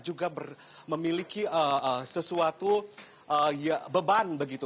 juga memiliki sesuatu beban begitu